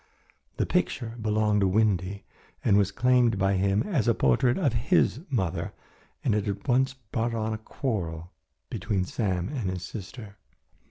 The picture belonged to Windy and was claimed by him as a portrait of his mother, and it had once brought on a quarrel between Sam and his sister.